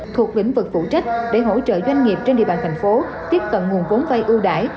thuộc lĩnh vực phụ trách để hỗ trợ doanh nghiệp trên địa bàn thành phố tiếp cận nguồn vốn vay ưu đại